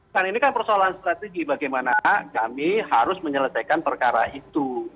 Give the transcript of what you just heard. kan ini kan persoalan strategi bagaimana kami harus menyelesaikan perkara itu